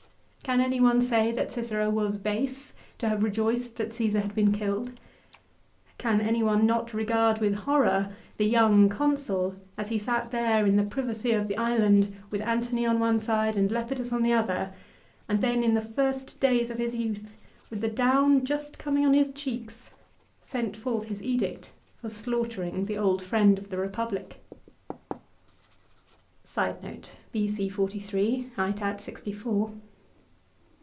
Can any one say that Cicero was base to have rejoiced that Caesar had been killed ? Can any one not regard with horror the young Consul as he sat there in the privacy of the island with Antony on one side and Lepidus on the other, and then in the first days of his youth, with the down just coming on his cheeks, sent forth his edict for slaughtering the old friend of the Republic ?